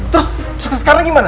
terus sekarang gimana